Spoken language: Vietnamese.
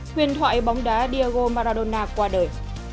huyền thoại bóng đá diego maradona qua đời